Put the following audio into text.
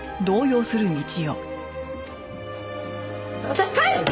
私帰る！